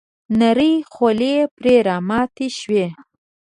نرۍ خولې پر راماتې شوې .